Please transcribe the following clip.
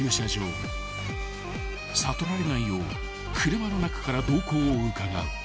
［悟られないよう車の中から動向をうかがう］